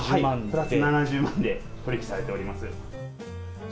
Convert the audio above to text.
プラス７０万で取り引きされております。